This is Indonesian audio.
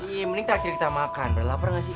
ini mending terakhir kita makan udah lapar gak sih